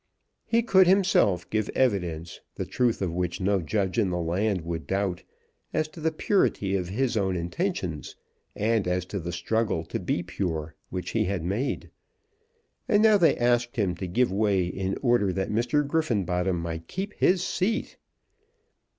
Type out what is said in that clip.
He could himself give evidence, the truth of which no judge in the land would doubt, as to the purity of his own intentions, and as to the struggle to be pure which he had made. And now they asked him to give way in order that Mr. Griffenbottom might keep his seat!